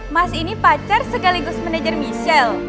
mas ini pacar sekaligus manajer michelle